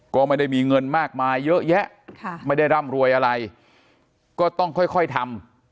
ก็ไม่ได้มีเงินมากมายเยอะแยะไม่ได้ร่ำรวยอะไรก็ต้องค่อยทำ